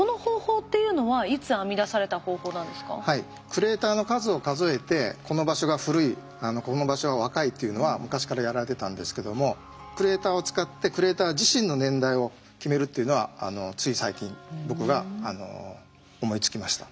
クレーターの数を数えてこの場所が古いこの場所は若いっていうのは昔からやられてたんですけどもクレーターを使ってクレーター自身の年代を決めるっていうのはつい最近僕が思いつきました。